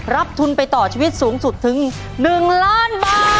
รับทุนไปต่อชีวิตสูงสุดถึง๑ล้านบาท